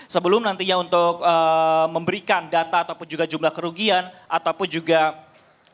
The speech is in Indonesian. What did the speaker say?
sebelum nantinya untuk memberikan data ataupun juga jumlah kerugian ataupun juga memberikan sedikit untuk estimasi